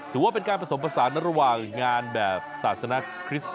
ถือว่าเป็นการผสมผสานระหว่างงานแบบศาสนคริสต์